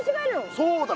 そうだよ！